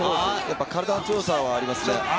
体の強さはありますね。